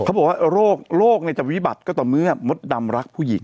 เขาบอกว่าโรคจะวิบัติก็ต่อเมื่อมดดำรักผู้หญิง